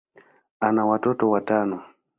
ana watoto watano.